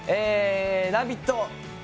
「ラヴィット！」